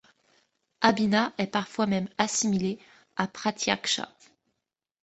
Abhiññā est parfois même assimilé à pratyaksha.